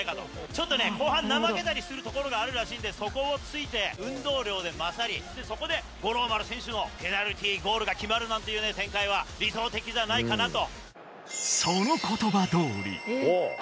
ちょっとね後半怠けたりするところがあるらしいんでそこを突いて運動量で勝りそこで五郎丸選手のペナルティゴールが決まるなんていう展開は理想的じゃないかなと。